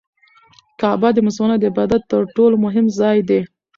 کعبه د مسلمانانو د عبادت تر ټولو مهم ځای دی.